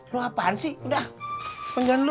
lu apaan sih udah pengen lu